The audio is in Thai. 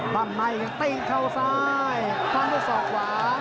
ฟังในติดเข้าซ้ายฟังให้ศอกขวา